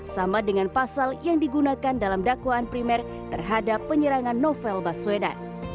sama dengan pasal yang digunakan dalam dakwaan primer terhadap penyerangan novel baswedan